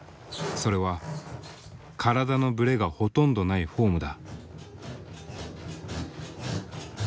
それは体のブレがほとんどないフォームだ。